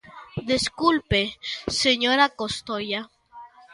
Desculpe, señora Costoia.